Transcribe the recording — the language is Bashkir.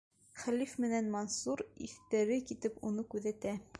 Хәлиф менән Мансур иҫтәре китеп уны күҙәтә.